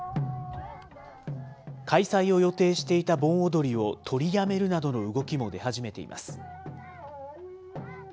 開催を予定していた盆踊りを取りやめるなどの動きも出始めています。